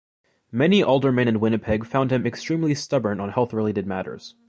Many aldermen in Winnipeg found him extremely stubborn on health-related matters.